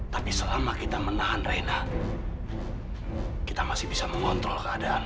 tapi selama kita menahan reina kita masih bisa mengontrol keadaan